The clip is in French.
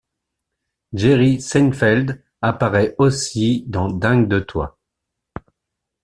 Jerry Seinfeld apparait aussi dans Dingue de toi.